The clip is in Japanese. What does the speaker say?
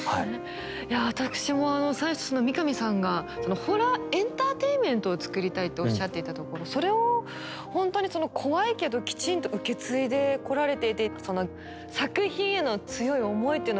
いやわたくしもあの最初三上さんが「ホラーエンターテインメントを作りたい」とおっしゃっていたところそれをほんとに怖いけどきちんと受け継いでこられていて作品への強い思いっていうのをかなり感じました。